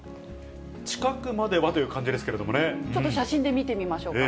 近くまではという感じですけちょっと写真で見てみましょうか。